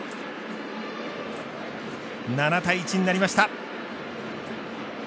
７対１になりました。